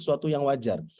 sebuah sesuatu yang wajar